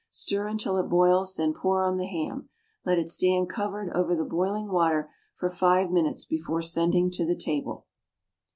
Stir until it boils, then pour on the ham. Let it stand covered over the boiling water for five minutes before sending to the table.